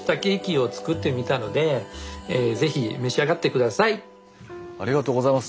一生さんありがとうございます。